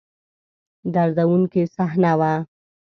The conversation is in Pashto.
دردوونکې صحنه وه.